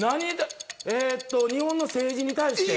日本の政治に対して。